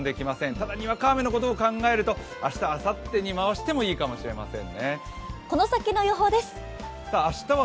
ただ、にわか雨のことを考えると明日、あさってに回してもいいかもしれません。